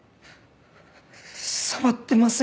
触ってません。